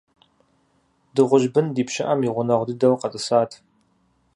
Дыгъужь бын ди пщыӀэм и гъунэгъу дыдэу къэтӀысат.